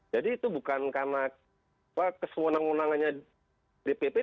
jadi itu bukan karena kesewenang wenangannya di ppt